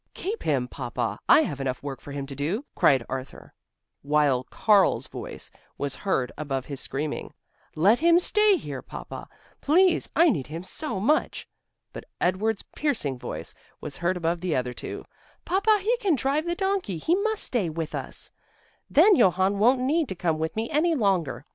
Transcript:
"Keep him, Papa, I have enough work for him to do!" cried Arthur, while Karl's voice was heard above his screaming: "Let him stay here, Papa, please, I need him so much!" But Edward's piercing voice was heard above the other two: "Papa, he can drive the donkey, he must stay with us, then Johann won't need to come with me any longer!"